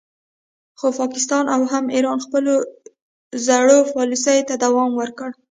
خو پاکستان او هم ایران خپلو زړو پالیسیو ته دوام ورکړ